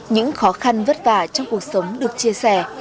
những khó khăn vất vả trong cuộc sống được chia sẻ